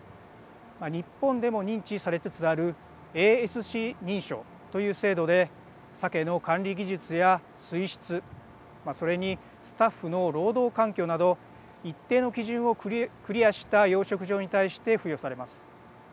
日本でも認知されつつあるＡＳＣ認証という制度でさけの管理技術や水質それにスタッフの労働環境など一定の基準をクリアした養殖場に対して付与されます。